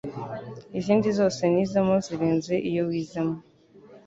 izindi zose nizemo zirenze iyo wizemo